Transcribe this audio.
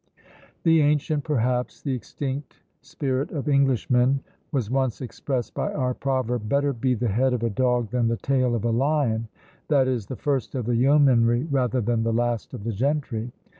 The ancient, perhaps the extinct, spirit of Englishmen was once expressed by our proverb, "Better be the head of a dog than the tail of a lion;" i.e., the first of the yeomanry rather than the last of the gentry.